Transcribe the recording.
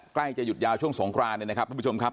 ใกล้จะหยุดยาวช่วงสงครานเนี่ยนะครับทุกผู้ชมครับ